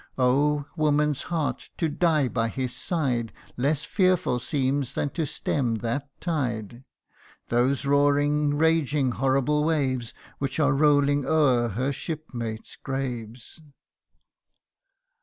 Oh ! woman's heart ! to die by his side Less fearful seems than to stem that tide ; Those roaring, raging, horrible waves, O ' O O '* Which are rolling o'er her shipmates' graves.